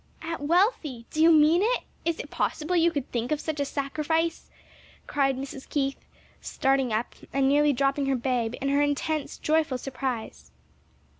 "Aunt Wealthy! do you mean it? is it possible you could think of such a sacrifice?" cried Mrs. Keith, starting up and nearly dropping her babe in her intense, joyful surprise.